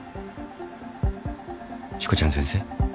しこちゃん先生。